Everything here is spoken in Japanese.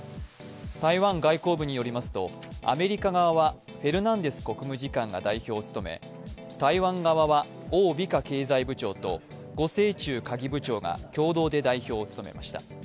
台湾外交部によりますと、アメリカ側はフェルナンデス国務次官が代表を務め台湾側は王美花経済部長と呉政忠科技部長が共同で代表を務めました。